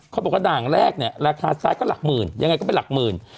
เขาบอกว่าด่างแรกเนี่ยราคาซ้ายก็หลักหมื่นยังไงก็เป็นหลักหมื่น